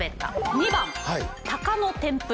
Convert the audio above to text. ２番「タカの天ぷら」。